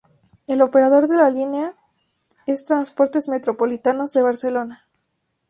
El operador de la línea es Transportes Metropolitanos de Barcelona.